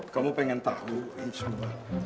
kamu ingin tahu semua